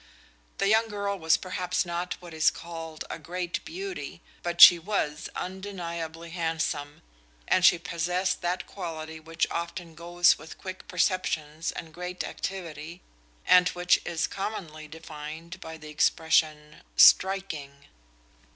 The young girl was perhaps not what is called a great beauty, but she was undeniably handsome, and she possessed that quality which often goes with quick perceptions and great activity, and which is commonly defined by the expression "striking."